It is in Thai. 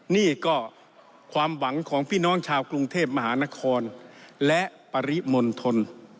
นี่ก็ความหวังของพี่น้องชาวกรุงเทพมหานครและปริมณฑล